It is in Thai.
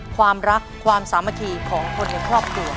ความรักความสามัคคีของคนในครอบครัว